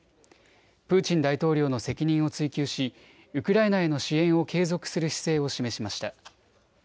プーチン大統領の責任を追及しウクライナへの支援を継続する姿勢を示しました。